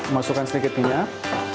masukkan sedikit minyak